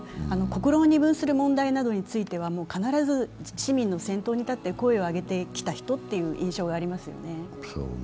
心を二分する問題などについては、必ず市民の先頭に立って声を上げてきた人という印象がありますよね。